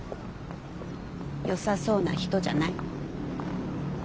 よさそうな人じゃない？